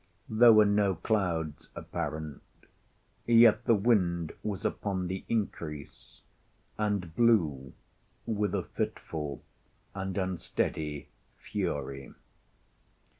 There were no clouds apparent, yet the wind was upon the increase, and blew with a fitful and unsteady fury.